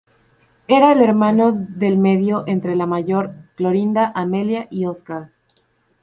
Era el hermano del medio entre la mayor, Clorinda Amelia y Oscar.